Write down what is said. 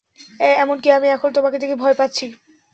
এমনকি আমি এখন তোমাকে দেখে ভয় পাচ্ছি।